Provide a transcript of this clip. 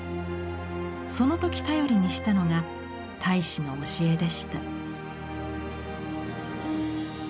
その時頼りにしたのが太子の教えでした。